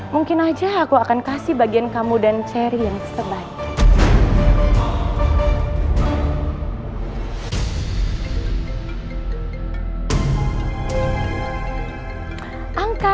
mungkin aja aku akan kasih bagian kamu dan cherry yang terbaik